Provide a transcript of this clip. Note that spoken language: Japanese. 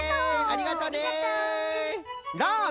ありがとう！